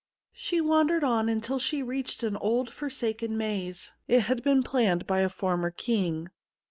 She wandered on until she reached an old forsaken maze. It had been planned by a former king.